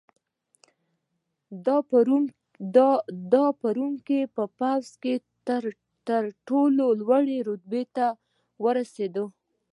دا په روم په پوځ کې تر ټولو لوړې رتبې ته ورسېد